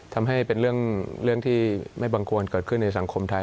ทำให้เป็นเรื่องที่ไม่บังควรเกิดขึ้นในสังคมไทย